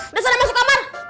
udah sana masuk kamar